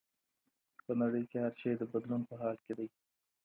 په نړۍ کي هر شی د بدلون په حال کي دی.